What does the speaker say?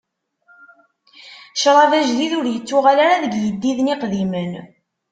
Ccṛab ajdid ur ittuɣal ara deg iyeddiden iqdimen.